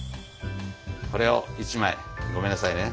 これを１枚ごめんなさいね。